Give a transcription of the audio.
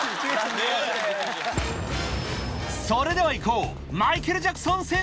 それでは行こう！